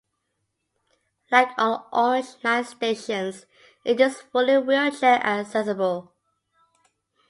Like all Orange Line stations, it is fully wheelchair accessible.